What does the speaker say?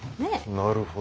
なるほど。